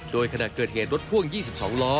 โดยขณะเกิดเหตุรถพ่วง๒๒ล้อ